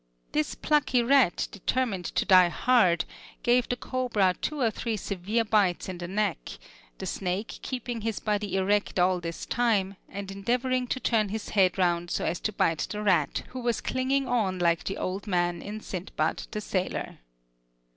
This plucky rat, determined to die hard, gave the cobra two or three severe bites in the neck, the snake keeping his body erect all this time, and endeavoring to turn his head round so as to bite the rat who was clinging on like the old man in 'Sindbad the Sailor.'